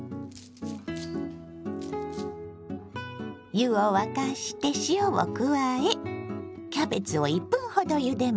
湯を沸かして塩を加えキャベツを１分ほどゆでます。